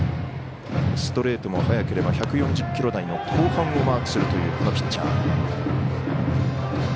ストレートも速ければ１４０キロ台の後半をマークするというこのピッチャー。